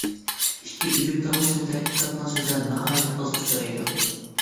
ئىككى ئۈزۈك تاۋۇشتىن تەركىب تاپقان سۆزلەر ناھايىتى ئاز ئۇچرايدۇ.